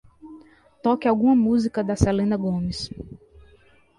Toque alguma música da Selena Gomez.